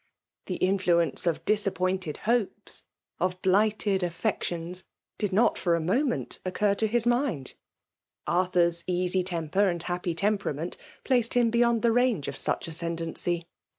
The influence of disappointed hopes, of blighted affections^ did not for a moment oioct^ to his mind. Arthur s easy temper and happy .temperament placed him beyond the range of such ascendency.